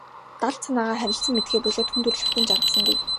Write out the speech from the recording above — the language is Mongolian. Далд санаагаа харилцан мэдэхээ болиод хүн төрөлхтөн жаргасангүй.